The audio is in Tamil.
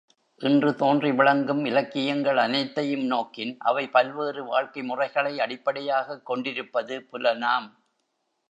இன்று தோன்றி விளங்கும் இலக்கியங்கள் அனைத்தையும் நோக்கின், அவை பல்வேறு வாழ்க்கை முறைகளை அடிப்படையாகக் கொண்டிருப்பது புலனாம்.